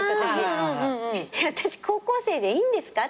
私高校生でいいんですか？